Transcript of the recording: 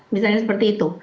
misalnya seperti itu